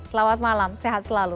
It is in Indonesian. selamat malam sehat selalu